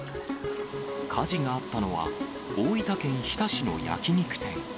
火事があったのは、大分県日田市の焼き肉店。